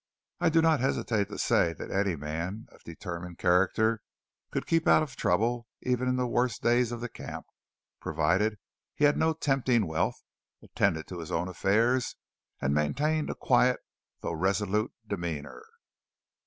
I do not hesitate to say that any man of determined character could keep out of trouble even in the worst days of the camp, provided he had no tempting wealth, attended to his own affairs, and maintained a quiet though resolute demeanour.